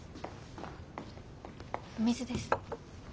お水です。